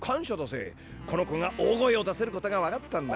この子が大声を出せることが分かったんだ。